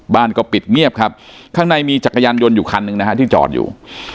บ้านก็ปิดเงียบครับข้างในมีจักรยานยนต์อยู่คันหนึ่งนะฮะที่จอดอยู่